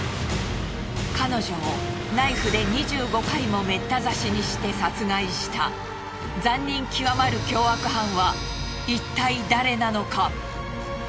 彼女をナイフで２５回もメッタ刺しにして殺害した残忍極まる凶悪犯はいったい誰なのか？